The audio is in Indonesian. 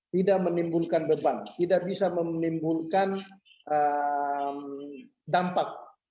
tidak menimbulkan beban tidak bisa menimbulkan dampak covid sembilan belas bagi provinsi papua